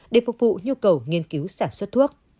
để phục vụ nhu cầu nghiên cứu sản xuất thuốc